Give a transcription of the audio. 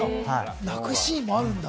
泣くシーンもあるんだ？